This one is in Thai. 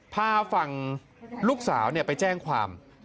พาฝั่งลูกสาวไปแจ้งความ